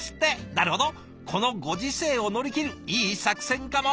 なるほどこのご時世を乗り切るいい作戦かも。